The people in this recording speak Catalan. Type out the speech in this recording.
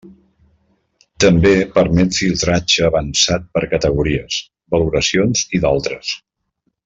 També permet filtratge avançat per categories, valoracions i d'altres.